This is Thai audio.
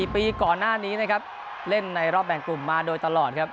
๔ปีก่อนหน้านี้นะครับเล่นในรอบแบ่งกลุ่มมาโดยตลอดครับ